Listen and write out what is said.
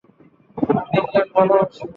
আমি ইংল্যান্ড ভালোবাসি।